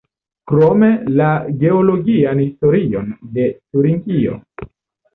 Krome la geologian historion de Turingio.